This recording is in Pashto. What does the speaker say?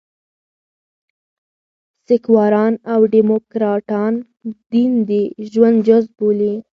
سیکواران او ډيموکراټان دین د ژوند جزء بولي.